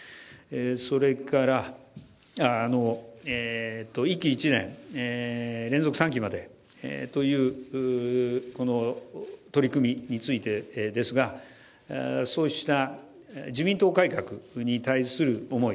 それから、１期１年連続３期までという取り組みについてですがそうした自民党改革に対する思い